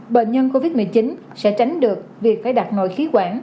bệnh nhân covid một mươi chín sẽ tránh được việc phải đặt nội khí quản